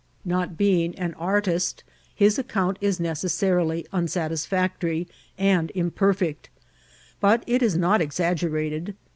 Not being an artist, his account is necessarily unsatisfeu^ory and imperfect, but it is not exaggerated.